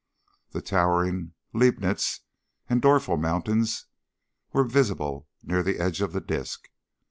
The towering Leibnitz and Dorfel Mountains were visible near the edge of the disc.